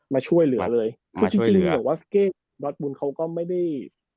มาช่วยเหลือเลยเพราะจริงวาสเก้ด๊อตบูนเขาก็ไม่ได้